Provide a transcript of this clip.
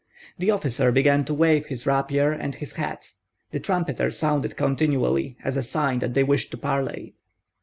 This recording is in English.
The officer began to wave his rapier and his hat; the trumpeter sounded continually, as a sign that they wished to parley.